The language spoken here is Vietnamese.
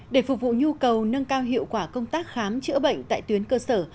để phục vụ nhu cầu nâng cao hiệu quả công tác khám chữa bệnh tại tuyến cơ sở